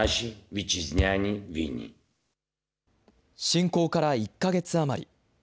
侵攻から１か月余り。